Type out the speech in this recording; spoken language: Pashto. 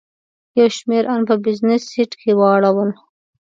یو شمېر ان په بزنس سیټ کې واړول.